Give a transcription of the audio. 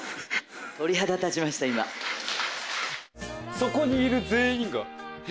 そこにいる全員が、え？